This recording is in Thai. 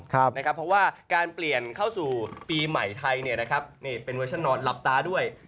เพราะว่าการเปลี่ยนเข้าสู่ปีใหม่ไทยเป็นเวอร์ชันนอนหลับตาด้วย